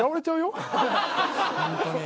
ホントに。